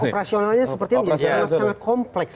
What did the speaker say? operasionalnya seperti yang jadi sangat kompleks